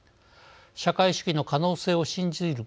「社会主義の可能性を信じる」